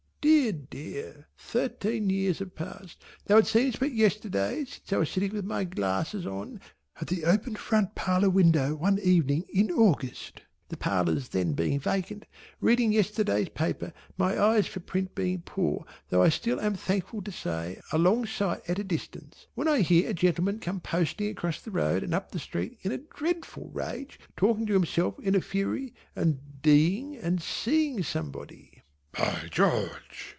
Dear dear, thirteen years have passed though it seems but yesterday since I was sitting with my glasses on at the open front parlour window one evening in August (the parlours being then vacant) reading yesterday's paper my eyes for print being poor though still I am thankful to say a long sight at a distance, when I hear a gentleman come posting across the road and up the street in a dreadful rage talking to himself in a fury and d'ing and c'ing somebody. "By George!"